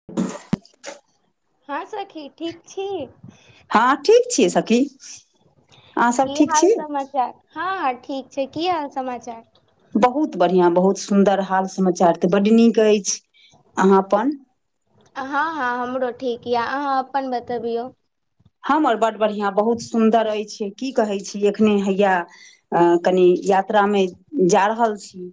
[inaudible] हँ सखी ठीक छी हँ ठीक छियै सखी अहाँ सब की ठीक छी हाल समाचार हँ हँ ठीक छै की हाल समाचार बहुत बढ़िया बहुत सुन्दर हाल समाचार तऽ बड़ नीक अछि अहाँ अपन हँ हँ हमरो ठीक येऽ आहाँ अपन बतबियौ हम आर बड बढ़ियां बहुत सुन्दर अछि की कहै छी एखने हैया अं कनि यात्रा मे जा रहल छी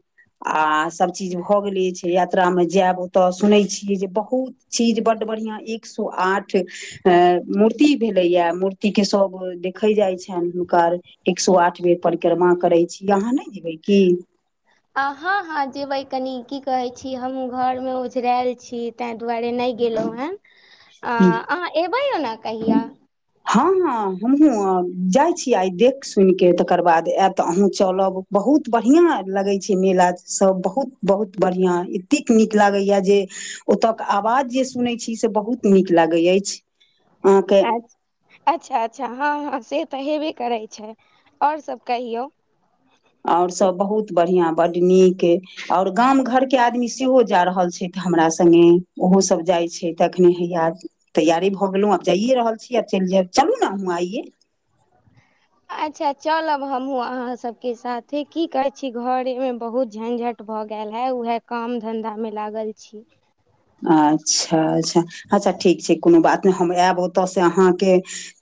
आ सब चीज भऽ गेले छै यात्रा में जायब ओतय सुनै छियै जे बहुत चीज बड बढ़िया एक सौ आठ अ मूर्ति मूर्ति भेलेया मूर्ति के सब देखे जाय छै हुनकर एक सौ आठ बेर परिक्रमा करै छी अहाँ नहि जेबै की आहाँ हाँ जेबे कनी की कहे छी हमहू घर मे ओझरैल छी तें दुआरे नहि गेलहु हँ अहाँ एबै यौ ने कहियै हँ हँ हमहुूँ जाय छियै आइ देख सुन के तकर बाद ऐब तऽ अहूँ चलब बहुत बढ़िया लगे छि मेला सब बहुत बहुत बढ़िया एतेक नीक लागे या जे ओतयक आवाज जे सुनैत छी से बहुत नीक लागैत अछि आहाँ के अच्छा अच्छा हँ हँ से तऽ हेबे करै छै आओर सब कहियऔ आऔर सब बहुत बढ़िया बड नीक आओर गांव घरके आदमी सेहो जा रहल छथि हमरा संगे ओहोसभ जाइत छै तखने है याद तैयारी भऽ गेलहुँ आब जाइयए रहल छी आ चलि जायब चलू ने हमहूँ आइये अच्छा चलब हमहुँ अहाँ सबके साथे की कहै छी घरे मे बहुत झंझट भऽ गेल है उहे काम धंधा में लागल छी अच्छा अच्छा अच्छा ठीक छै कोनो बात हम आयब ओतऽ से अहाँके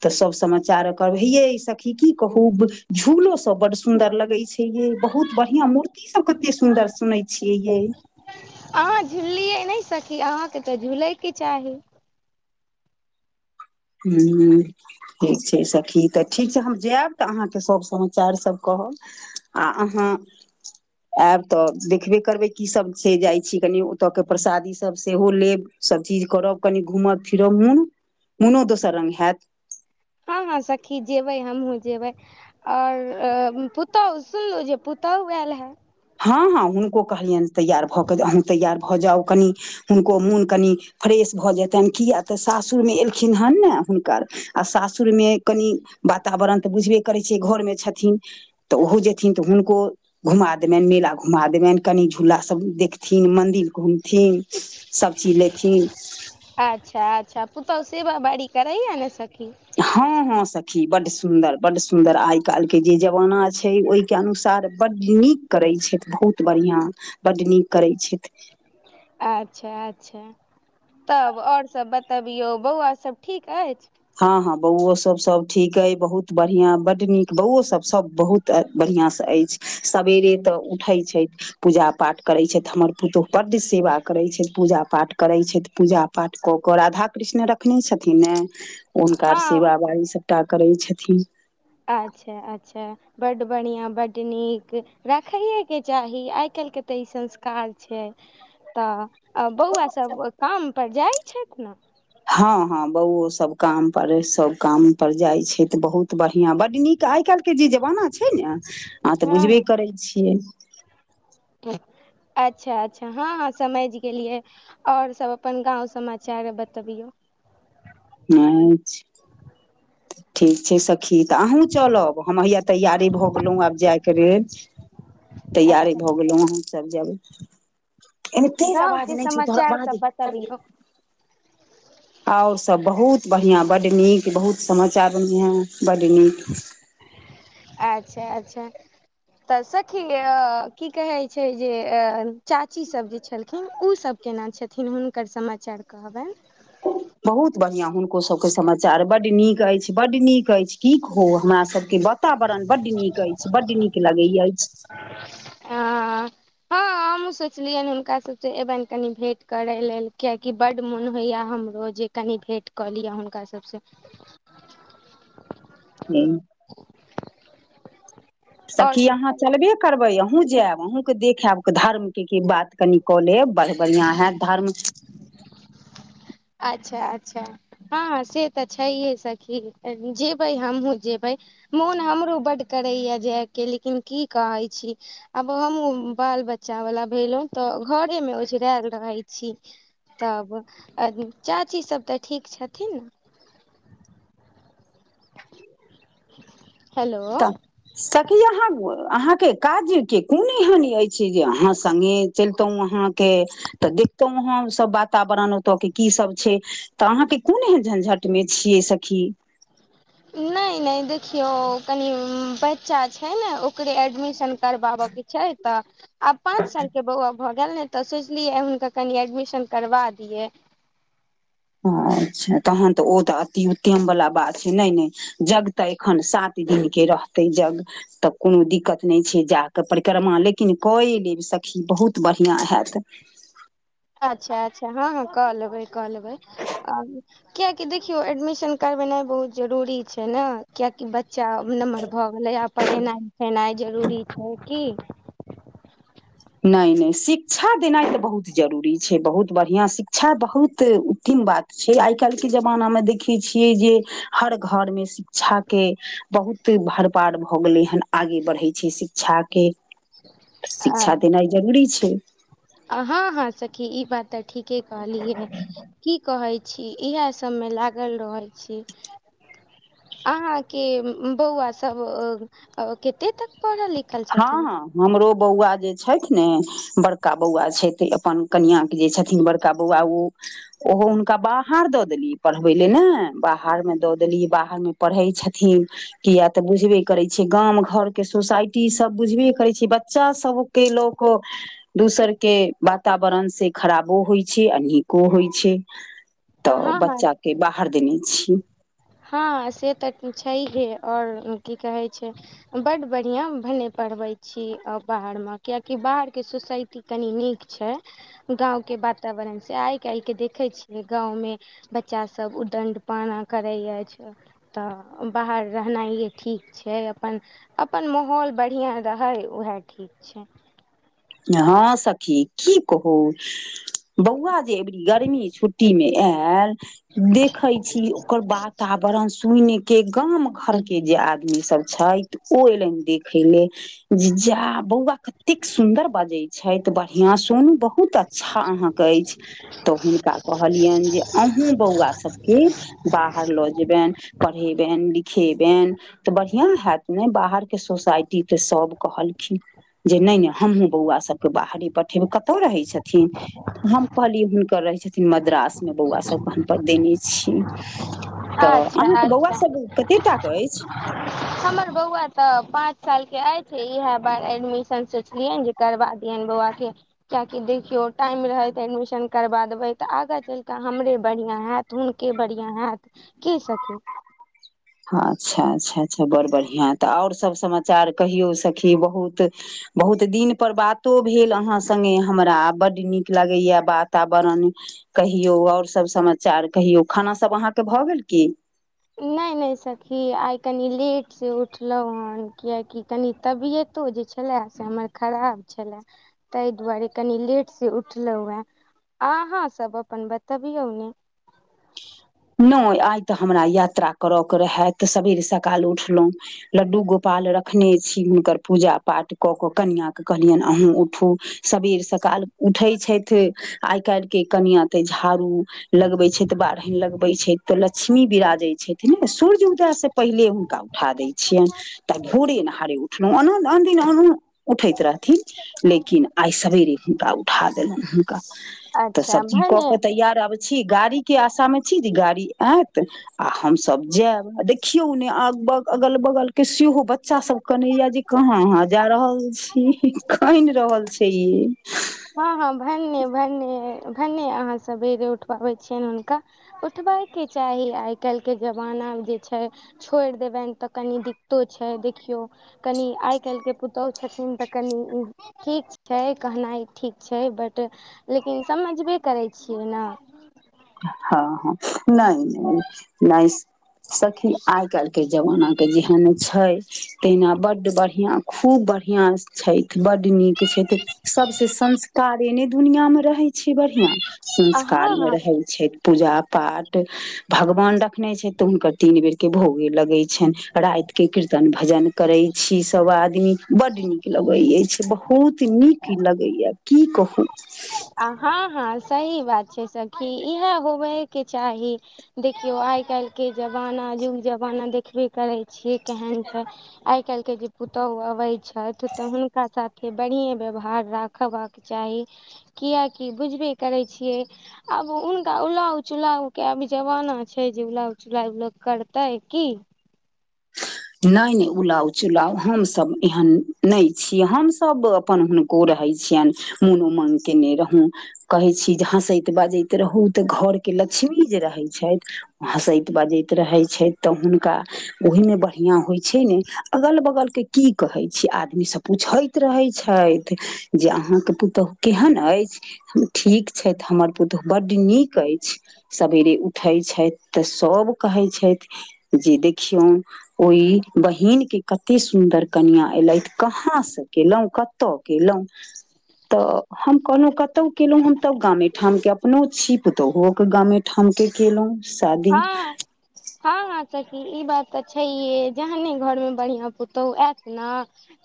तऽ सब समाचार करब हेये ई सखी की कहू झूलो सब बड़ सुंदर लगे छै ये बहुत बढ़िया मूर्ति ई सब कते सुन्दर सुनै छियै ये अहाँ झुललिए नहि सखी अहाँके तऽ झुलैके चाही हुँ अ ठीक छै सखी तऽ ठीक छै हम जायब तऽ अहाँके सभ समाचार सब कहब आ आहाँ [inaudible] आयब तऽ देखबे करबै की सब छै जाइ छी कनि ओतऽ के प्रसादी सब सेहो लेब सबचीज करब कनि घूमब फिरब मन मोनो दोसर रंग हायत हँ हँ सखी जेबै हमहूँ जेबै और पूतोहु सुनलहु जे पुतोहु यैल हे हँ हँ हुनको कहलियनि तैयार भऽ कऽ अहूँ तैयार भऽ जाउ कनि हुनको मोन कनि फ्रेश भऽ जेतन किया तऽ सासुरमे एलखिन हेन ने हुनकर आ सासुरमे कनि वातावरण तऽ बुझबे करै छै घरमे छथिन तऽ ओहो जेथिन तऽ हुनको घुमा देबनि मेला घुमा देबनि कनि झूला सभ देखथिन मन्दिर घुमथिन सभचीज लेथिन अच्छा अच्छा पूतोह सेवा बाड़ी करइय ने सखी हँ हँ सखी बड सुन्दर बड सुन्दर आइ काल्हि के जे जमाना छै ओहिके अनुसार बड नीक करै छथि बहुत बढ़िआँ बड नीक करैत छथि अच्छा अच्छा तब ओर सब बतबियौ बौआ सब ठीक अछि हँ हँ बौओ सब सब ठीक अइ बहुत बढ़ियां बड नीक बौओ सब सब बहुत तऽ बढ़िआँसँ अछि सबवेरे तऽ उठै छथि पूजा पाठ करैत छथि हमर पुतहु बड सेवा करैत छथि पूजा पाठ करैत छथि पूजा पाठ कऽ कऽ राधा कृष्ण रखने छथिन ने हुनका हँ सेवा बारी सभटा करै छथिन अच्छा अच्छा बड बढ़िया बड नीक राखैएके चाही आइ काल्हिके तऽ ई संस्कार छै तऽ बौआ सभ काम पर जाइ छथि ने हँ हँ बौओ सब काम पर सब काम पर जाय छै तऽ बहुत बढ़िया बड नीक आइ काल्हि के जे जमाना छै ने आहा तऽ बुझबे हँ करै छियै अच्छा अच्छा हँ हँ समझ गेलिए आऔर सब अपन गाँंव समाचार बतबियौ अच्छा ठीक छै सखी तऽ अहूँ चलब हम हैया तैयारे भऽ गेलहुँ आब जायके लेल तैयारे भऽ गेलहुँ अहासभ जेबै एहन तेज गाँंव के अवाज नहि छै तोहर समाचार रहअ सब दही बतबियौ और सब बहुत बढ़िया बड नीक बहुत समाचार बढ़िआ बड नीक अच्छा अच्छा तऽ सखी की कहे छै जे चाची सब जे छलखिन ओ सब केना छथिन हुनकर समाचार कहबेन बहुत बढ़िआँ हुनको सबके समाचार बड्ड नीक अछि बड नीक अछि की कहू हमरा सभके के वातावरण बड नीक अछि बड नीक लगैय इ चीज ॲ हॉं हम सोचलियै हुनका सब से एबन कनि भेंट करे लऽ लेल किआकि बड मोन होइया हमरो जे कनि भेट कऽ लिअ हुनका सबसँ हूँ [inaudible] आओर सखी सब अहाँ कहियौ चलबे करबै अहूँ जायब अहूँके देखाएब धर्म की की बात कनि कऽ लेब बड़ बढ़िआं हैत धर्म अच्छा अच्छा हँ से तऽ छैहे सखी जेबै हमहुूँ जेबै मोन हमरो बड्ड करैया जायके लेकिन की कहै छी आब हमहूँ बाल बच्चा वाला भेलो तऽ घरे मे ओछरेल रहै छी तब आ चाची सब तऽ ठीक छथिन हेलो तऽ सखी अहाँ अहाँके काज के कोन एहनी अछि जे अहाँ सङ्गे चलितहु अहाँ के तऽ देखतौं हम सब बात वातावरण ओतऽ के की सब छै तऽ अहाँके कोन एहन झंझट मे छियै सखी नहि नहि देखियौ कनि बच्चा छै ने ओकरे एडमिशन करबाब के छै तऽ आब पाँच साल के बौआ भऽ गेल ने तऽ सोचलियै हुनके कनि एडमिशन करबा दिये अच्छा तहन तऽ ओ तऽ अति उत्तम वाला बात छै नहि नहि जग त एखन सात दिन के रहते जग त कोनो दिक्कत नहि छै जा क परिक्रमा लेकिन कए लेब सखी बहुत बढिया हैत अच्छा अच्छा हँ क लेबै क लेबै अ कियकि देखियौ एडमिशन करबेनाइ बहुत जरूरी छै ने कियकि बच चा नमहर भ गेलैए पढ़ेनाई लिखेनाइ जरूरी छै की नहि नहि शिक्षा देनाइ त बहुत जरूरी छै बहुत बढ़िआँ शिक्षा बहुत उत्तिम बात छै आइ काल्हि के जमानामे देखे छियै जे हर घरमे शिक्षा के बहुत भरपार भ गेलैहन आगे बढ़े छै शिक्षा के शिक्षा देनाई जरूरी छै हँ हँ सखी ई बात त ठीके कहलिय की कहे छी इएह सभ मे लागल रहल छी अहा के बौआ सब कते तक पढ़ल अय हँ हँ हमरो बौआ जे छथि ने बड़का बौआ छथि अपन कनियां के जे छथिन बड़ त बौआ उ ओहो हुनका बाहर द देलियै पढ़बै लए ने बाहरमे द देलिय बाहरमे पढ़ै छथिन किया त बुझबे करे छिये गाम घर के सोसाइ टी सब बुझबे करै छी बच्चा सब के ल क दोसरके वातावरण से खराबो होइ छै अ नीको होइ छै त हँ हँ बच्चा के बाहर देने छिय हँ से त छैहे और की कहै छै बड बढ़िया भने पढ़बै छी बाहर मे कियाकि बाहरके सोसाइटी कनी नीक छै गाँंव के वातावरण से आइ काल्हि के देखे छिये गाँंवमे बच्चा सब उदण्ड पाना करे अछि तऽ बाहर रहनाइए ठीक छै अपन अपन माहौल बढ़िया रहे उएह ठीक छै हँ सखी की कहू बौआ जे अबरी गर्मी छुट्टीमें आयल देखै छी ओकर वाता वरण सुनि के गाम घर के जे आदमी सब छैथ ओ एयलन देखे ले ज्जा बौआ कतेक सुन्दर बजे छै बढ़िया सुन बहुत अ हँ हँ कहैछी त हुनका कहलियन जे अहूँ बौआ सबके बाहर ल जेबेन पढ़ेबेन लिखेबेन तऽ बढ़िआ हैत ने बाहरके सोसाइटी त सभ कहलखिन जे नहि नहि हमहूँ बौआ सबके बाहरे पठेमे कते रहे छथिन हम कहलिये हुनकर रहे छथिन मद्रासमे बौआ सभके हमपर देने छिय त अच्छा अहाँके अच्छा बौआसभ कतेटा के अछि हमर बौआ त पाँच सालके अछि इएह बार एडमिशन सोचलियन जे करबा दियन बौआ के कियाकि देखियो टाइम रहैत एडमिशन करबा देबै त आगाँ चलि क हमरे बढ़िया हैत त हुनके बढ़िया हायत की सखी अच्छा अच्छा अच्छा बड़ बढ़िया त ओर सब समाचार कहियो सखी बहुत बहुत दिनपर बातो भेल अहाँ संगे हमरा बड्ड नीक लागेय वातावरण कहियो ओर सभ समाचार कहियो खाना सब अहाँके भए गेल की नहि नहि सखी आइ कनि लेटसँ उठलो हन कियाकि कनि तबियतो जे छै छलै से हमर खराब छलए ताहि दुआरे कनि लेटसँ उठलहुँ हुँ अहाँसभ अपन बताबियो ने नहि आई त हमरा यात्रा करयके रहय त सवेरे सकाल उठलो लड्डू गोपाल रखने छी हुनकर पूजा पाठ क क कनिआँके कहलियन अहूँ उठू सबेर सकाल उठै छथि आइ काल्हि के कनिया तऽ झाड़ू लगबे छैतऽ बारहेन लग छै तऽ लक्ष्मी बिराजय छथिन ने सूर्य उदय सँ पहिले हुनका उठा दै छियैनि तऽ भोरे अनहारे उठल अन दिन अनून उठैत रहथिन लेकिन आइ सवेरे हुनका उठा देलनि हुनका तऽ अच्छा सभ चीज कऽ भने के तैयार आब छियै गाड़ी के आशा मे छी जे गाड़ी ऐत आ हमसब जायब आ देखियौ ने आब अगल बगल के सेहो बच्चा सब केनया जे कहाँ अहाँ जा रहल छी कनि रहल छै ई हँ हँ भनने भनने अहाँ सवेरे उठबाबय छियनि हुनका उठबयके चाही आइ काल्हिके जमाना जे छै छोड़ि देबनि तऽ कनि दिक्कतो छै देखियौ कनि आइ काल्हि के पुतोहु छथिन तऽ कनि ठीक छै कहनाइ ठीक छै बट लेकिन समझबे करे छियै ने हँ हँ नहि नहि सखि आइ काल के जमाना के जेहन छै तहिना बड बढ़िया खूब बढ़िया से छथि बड नीक छथि सबसे संस्कारे ने दुनिया मे रहै छै बढ़िया संस्कार अहाँ मे रहै छैथ पूजा पाठ भगवान रखने छथि तऽ हुनकर तीन बेर के भोगे लगैत छनि रातिके कीर्तन भजन करै छी सभ आदमी बड्ड नीक लगै अछि बहुत नीक लगैया की कहू हँ हँ सही बात छै सखी इएह होबयके चाही देखियौ आइ काल्हि के जमाना युग जमाना देखबे करै छियै केहन छै आइ काल्हि के जे पुतोहु अबै छथि तऽ हुनका साथे बढ़िए व्यवहार राखबाक आब चाही कियकि बुझबे करै छियै आब हुनका उलाउ चुलाउ के आब जमाना छै जे उलाउ चुलाउ लोक करतै की नहि नहि उलाउ चुलाउ हमसभ एहन नहि छियै हमसभ अपन हुन को रहै छियनि मोनो मग केने रहौ कहै छी जे हँसैत बाजैत रहू तऽ घरके लक्ष्मी जे रहै छथि हँसैत बजैत रहै छै तऽ हुनका ओहिमे बहि बढ़िया होइ छै ने अगल बगल के की कहै छियै आदमी सब पूछैत रहै छथि जे अहाँके पुतहु केहन अछि ठीक छथि तऽ हमर पुतहु बड्ड नीक अछि सवेरे उठै छथि तऽ सभ कहै छथि जे देखियौ ओहि बहिन के कते सुंदर कनिया एलथि कहां से केलहुं क तऽ केलउ तऽ हम कहलहुँ कतौ केलहु हम तब गामे ठाम के अपनो छि पुतोहुक गामे ठाम के केलहुँ शादी हँ हँ हँ सखी ई बात तऽ छैये जहने घर मे बढ़िया पुतोहु आयत ने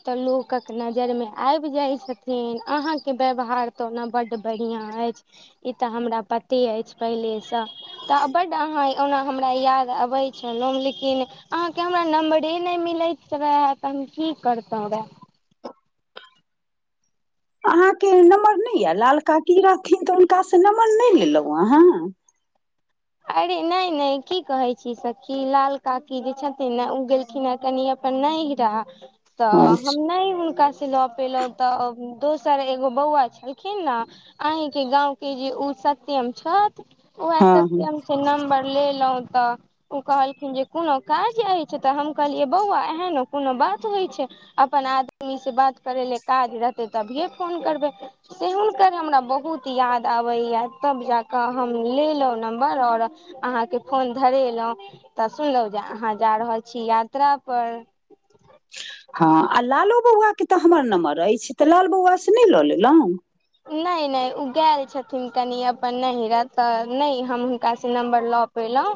तऽ लोकक नजरि मे आबि जाय छथिन अहा के व्यवहार तऽ ओना बड बढ़िआँ अछि ई तऽ हमरा पते अछि पहिले सँ त बड्ड अहाँ ओना हमरा याद अबै छलहुँ लेकिन अहाँके हमरा नम्बरे नहि मिलैत रहए तऽ हम की करतहु रहए अहाँके नम्बर नहि यै लाल काकी रहथिन तऽ हुनका से नम्बर नहि लेलहुं अहाँ अरे नहि नहि की कहे छी सखी लाल काकी जे छथिन ने उ गेलखिन हे कनि नहिरा तऽ हम अच्छा नहि हुनका सँ नहि ल पेलहुं तऽ दोसर एगो बौआ छलखिन ने अहींके गाँंव के जे ओ सत्यम छथि उएह हँ सत हँ से नंबर लेलूह त ओ कहलखिन जे कोनो काज अछि तऽ हम कहलियै बौआ एहन कोनो बात होइ छै अपन आदमी से बात करै लए काज रहतै तभिए फोन करबै से हुनकर हमरा बहुत याद आबैया तब जाकऽ हम लेलहुँ नम आऔर अहाँके फोन धरेलहु तऽ सुनलहु जे अहाँ जा रहल छी यात्रा पर हँ आ लालो बौआ के तऽ हमर नम्बर अछि तऽ लाल बौआ से नहि लऽ लेलहुँ नहि नहि ओ गेल छथिन कनि अपन नहिरा तऽ नहि हम हुनका सँ नम्बर लऽ पेलहुँ